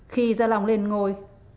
khi gia lòng lên ngồi